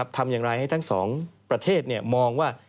ทำอย่างไรให้ทั้งสองประเทศมองว่า